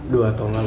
dua tahun lalu